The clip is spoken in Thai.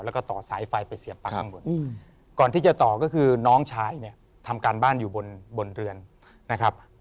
แล้วก็ต่อสายไฟไปเสียบปากข้างบนก่อนที่จะต่อก็คือน้องชายเนี่ยทำการบ้านอยู่บนเรือนนะครับ